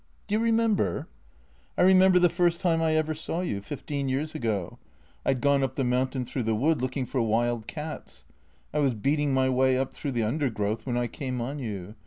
" Do you remember ?"" I remember the first time I ever saw you, fifteen years ago. I 'd gone up the mountain through the wood, looking for wild cats. I was beating my way up through the undergrowth when I came on you.